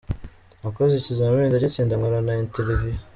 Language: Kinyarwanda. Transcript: Nakoze ikizamini ndagitsinda , nkora na interview.